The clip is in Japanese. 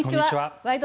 「ワイド！